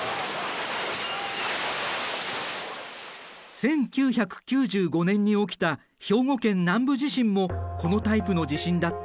１９９５年に起きた兵庫県南部地震もこのタイプの地震だった。